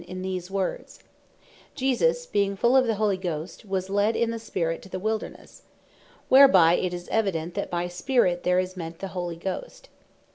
in these words, "Jesus being full of the Holy Ghost, was led in the Spirit into the Wildernesse;" Whereby it is evident, that by Spirit there, is meant the Holy Ghost.